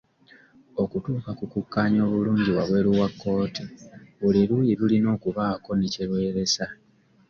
Okutuuka ku kukkaanya obulungi wabweru wa kkooti, buli luuyi lulina okubaako ne kye lweresa.